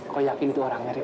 kok yakin itu orangnya rip